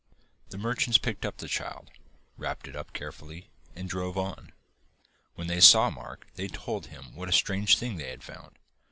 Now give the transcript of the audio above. The merchants picked up the child, wrapped it up carefully, and drove on. When they saw Mark they told him what a strange thing they had found.